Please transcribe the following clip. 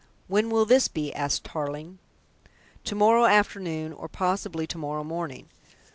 "When will this be?" asked Tarling. "To morrow afternoon, or possibly to morrow morning.